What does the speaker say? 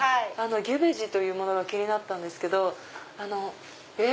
ギュベジというものが気になったんですけど。